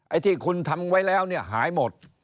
ไอ้ที่คุณทำไว้แล้วหายหมด